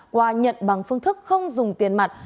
qua nhận bằng phương thức không dùng tiền mặt